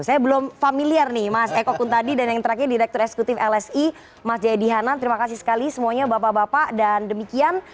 saya belum familiar nih mas eko kuntadi dan yang terakhir direktur eksekutif lsi mas jayadi hanan terima kasih sekali semuanya bapak bapak dan demikian